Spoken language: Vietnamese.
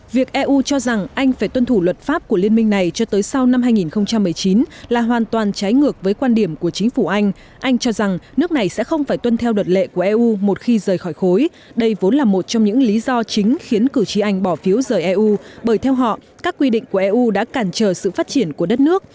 việc eu cho rằng anh phải tuân thủ luật pháp của liên minh này cho tới sau năm hai nghìn một mươi chín là hoàn toàn trái ngược với quan điểm của chính phủ anh anh cho rằng nước này sẽ không phải tuân theo luật lệ của eu một khi rời khỏi khối đây vốn là một trong những lý do chính khiến cử tri anh bỏ phiếu rời eu bởi theo họ các quy định của eu đã cản trở sự phát triển của đất nước